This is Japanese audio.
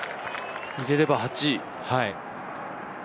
入れれば８。